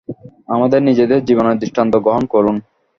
আমাদের নিজেদের জীবনের দৃষ্টান্ত গ্রহণ করুন।